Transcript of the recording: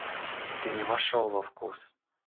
Ты не вошел во вкус.